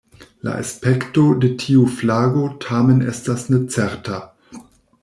La aspekto de tiu flago tamen estas necerta.